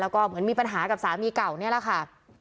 แล้วก็เหมือนมีปัญหากับสามีเก่านี่แหละค่ะ